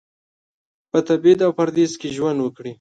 په تبعید او پردیس کې ژوند وکړي.